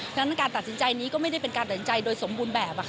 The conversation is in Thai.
ฉะนั้นการตัดสินใจนี้ก็ไม่ได้เป็นการตัดสินใจโดยสมบูรณ์แบบ